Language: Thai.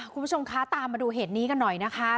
คุณผู้ชมคะตามมาดูเหตุนี้กันหน่อยนะคะ